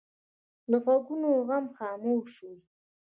د غوږونو غم خاموش وي